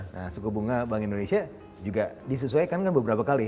nah suku bunga bank indonesia juga disesuaikan kan beberapa kali